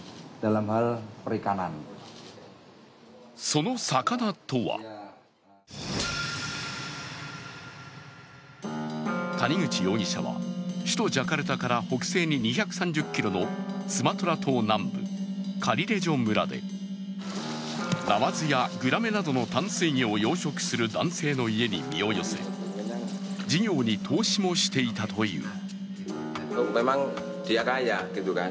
その魚とは谷口容疑者は、首都ジャカルタから北西に２３０ｋｍのスマトラ島南部カリレジョ村でナマズやグラメなどの淡水魚を養殖する男性の家に身を寄せ事業に投資もしていたという。